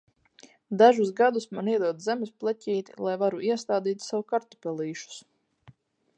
Dažus gadus man iedod zemes pleķīti, lai varu iestādīt sev kartupelīšus.